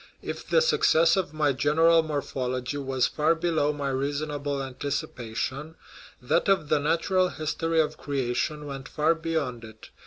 If the success of my General Morphology was far below my reasonable anticipation, that of The Natural His tory of Creation went far beyond it.